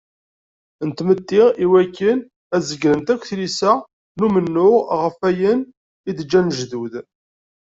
N tmetti iwakken ad zegrent akk tilisa n umennuɣ ɣef wayen i d-ǧǧan lejdud.